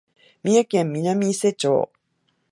三重県南伊勢町